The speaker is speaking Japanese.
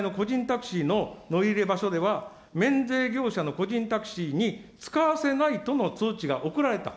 タクシーの乗り入れ場所では、免税業者の個人タクシーに使わせないとの通知が送られた。